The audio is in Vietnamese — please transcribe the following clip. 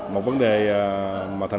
một vấn đề mà tp hcm